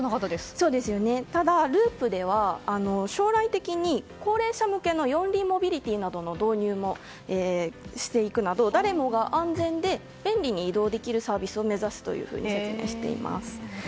ただ、ＬＵＵＰでは将来的に高齢者向けの四輪モビリティーなどの導入もしていくなど誰もが安全で便利に移動できるサービスを目指すと説明しています。